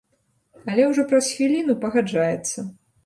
Але ўжо праз хвіліну пагаджаецца.